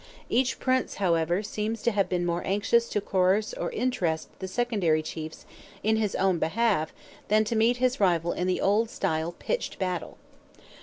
Each prince, however, seems to have been more anxious to coerce or interest the secondary chiefs in his own behalf than to meet his rival in the old style pitched battle.